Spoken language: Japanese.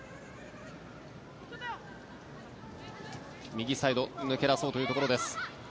右サイド抜け出そうというところです。